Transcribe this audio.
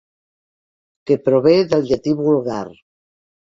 Que prové del llatí vulgar.